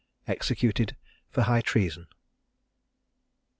EXECUTED FOR HIGH TREASON.